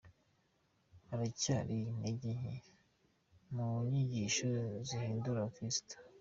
Haracyari intege nke mu nyigisho zihindura abakirisitu.